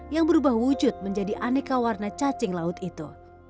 yang berubah wujud menjadi aneka warna cacing laut itu